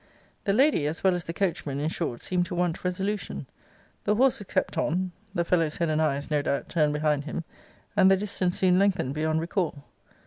'The lady, as well as the coachman, in short, seemed to want resolution; the horses kept on [the fellow's head and eyes, no doubt, turned behind him,] and the distance soon lengthened beyond recall.